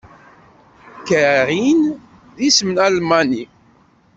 Karin d isem almani.